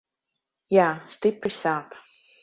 Jā, stipri sāp.